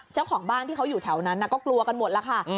เจ้าของบ้านที่เขาอยู่แถวนั้นก็กลัวกันหมดแล้วค่ะ